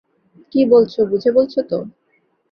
কী বলছ বুঝে বলছ তো?